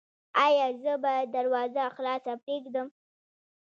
ایا زه باید دروازه خلاصه پریږدم؟